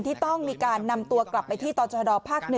ที่ต้องมีการนำตัวกลับไปที่ต่อชดภาค๑